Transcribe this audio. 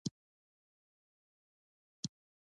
د هېواد مرکز د افغانستان د طبیعي پدیدو یو رنګ دی.